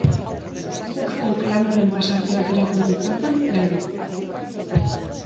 Zuk zeuk lan horren pasarte bat irakur dezazun nahi dugu.